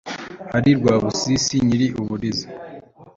Ari Rwubusisi nyiri Ubuliza